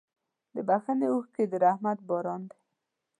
د بښنې اوښکې د رحمت باران دی.